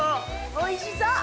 おいしそう！